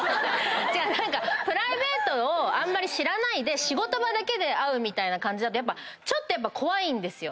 何かプライベートをあんまり知らないで仕事場だけで会う感じだとちょっとやっぱ怖いんですよ。